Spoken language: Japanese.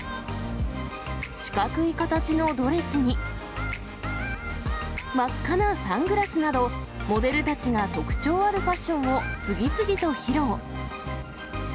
四角い形のドレスに、真っ赤なサングラスなど、モデルたちが特徴あるファッションを次々と披露。